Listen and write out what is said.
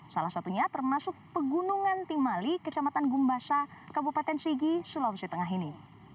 salah satunya termasuk pegunungan timali kecamatan gumbasa kabupaten sigi sulawesi tengah ini